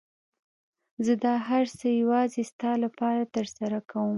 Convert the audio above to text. زه دا هر څه يوازې ستا لپاره ترسره کوم.